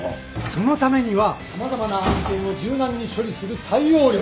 そのためには様々な案件を柔軟に処理する対応力。